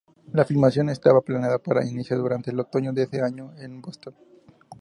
La filmación estaba planeada para iniciar durante el otoño de ese año en Boston.